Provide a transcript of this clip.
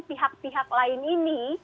pihak pihak lain ini